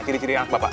ciri ciri anak bapak